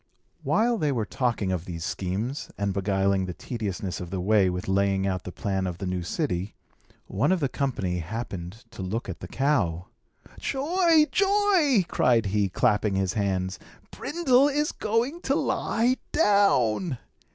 While they were talking of these schemes, and beguiling the tediousness of the way with laying out the plan of the new city, one of the company happened to look at the cow. "Joy! joy!" cried he, clapping his hands. "Brindle is going to lie down."